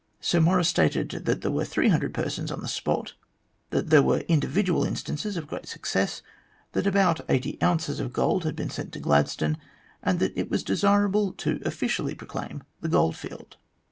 Sir Maurice stated that there were 300 persons on the spot, that there were individual instances of great success, that about eighty ounces of gold had been sent to Gladstone, and that it was desirable to officially proclaim the goldfield.